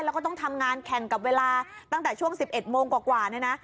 แล้วก็ต้องทำงานแข่งกับเวลาตั้งแต่ช่วง๑๑โมงกว่าเนี่ยนะ